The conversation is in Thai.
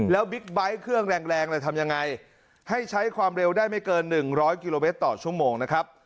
แล้วบิ๊กไบท์เครื่องแรงแรงทำยังไงให้ใช้ความเร็วได้ไม่เกิน๑๐๐กิโลเมตรต่อชั่วโมงนะครับ